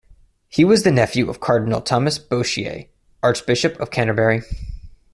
He was the nephew of Cardinal Thomas Bourchier, Archbishop of Canterbury.